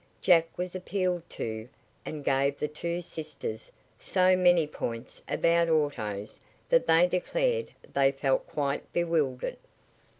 Jack was appealed to, and gave the two sisters so many points about autos that they declared they felt quite bewildered.